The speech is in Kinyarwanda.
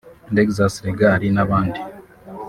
Lexxus Legal n’abandi